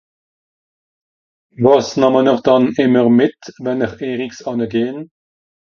wàs nàhm n'r dànn ìmmer mìt wenn'r erigs ànne gehn